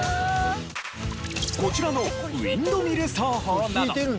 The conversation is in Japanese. こちらのウィンドミル奏法など。